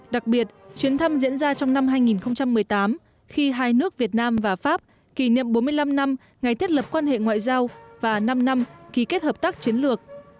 đặc biệt chuyến thăm diễn ra trong năm hai nghìn một mươi tám khi hai nước việt nam và pháp kỷ niệm bốn mươi năm năm ngày thiết lập quan hệ ngoại giao và năm năm ký kết hợp tác chiến lược